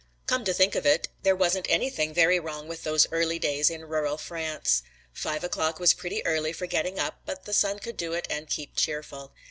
Come to think of it there wasn't anything very wrong with those early days in rural France. Five o'clock was pretty early for getting up but the sun could do it and keep cheerful.